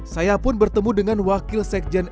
saya pun bertemu dengan wakil sekjen mui iksan abdullah